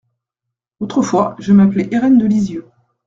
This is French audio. Autrefois, je m’appelais Irène de Lysieux.